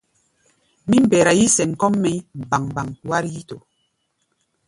Mí mbɛra yí-sɛm kɔ́ʼm mɛʼi̧ báŋ-báŋ wár yíítoó.